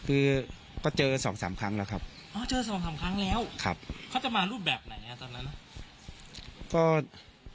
คือก็เจอ๒๓ครั้งแล้วครับเขาจะมารูปแบบไหนตอนนั้น